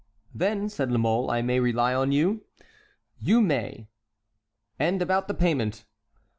"Then," said La Mole, "I may rely on you." "You may." "And about the payment?"